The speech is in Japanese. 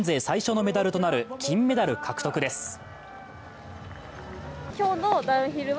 最初のメダルとなる金メダル獲得です。